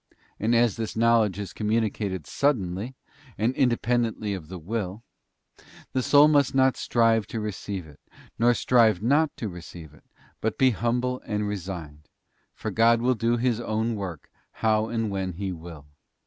And as this knowledge is communicated suddenly, and independently of the will, the soul must not strive to receive it, or strive not to receive it, but be humble and resigned ; for God will do His own work, how and when He will.